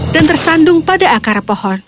dan tergantung pada akar pohon